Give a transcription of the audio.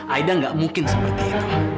aida gak mungkin seperti itu